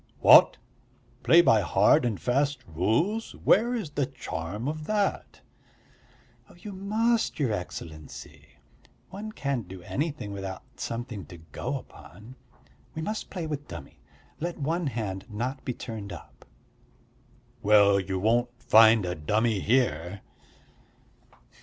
"What, play by hard and fast rules? Where is the charm of that?" "You must, your Excellency. One can't do anything without something to go upon. We must play with dummy, let one hand not be turned up." "Well, you won't find a dummy here."